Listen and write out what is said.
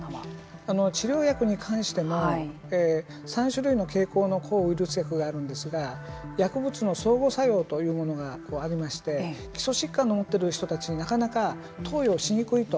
治療薬に関しても３種類の傾向の抗ウイルス薬があるんですが薬物の相互作用というものがありまして基礎疾患を持っている人たちには投与しにくいと。